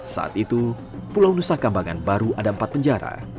saat itu pulau nusa kambangan baru ada empat penjara